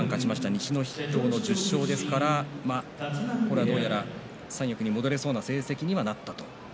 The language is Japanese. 西の筆頭の１０勝ですからどうやら三役に戻れそうな成績にはなったと。